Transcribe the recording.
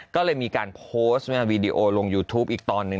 ก็เลยมีการโพสต์วีดีโอลงยูทูปอีกตอนหนึ่ง